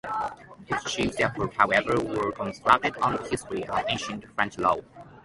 His chief efforts, however, were concentrated on the history of ancient French law.